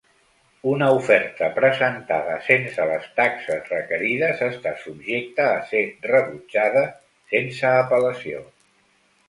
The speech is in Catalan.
Una oferta presentada sense les taxes requerides està subjecta a ser rebutjada sense apel·lació.